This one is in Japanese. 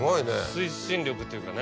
推進力というかね。